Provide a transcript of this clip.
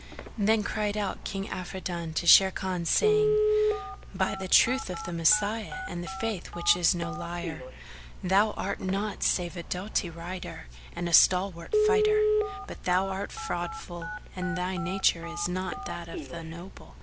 Then cried out King Afridun to Sharrkan, saying, "By the truth of the Messiah and the Faith which is no liar, thou art nought save a doughty rider and a stalwart fighter; but thou art fraudful and thy nature is not that of the noble.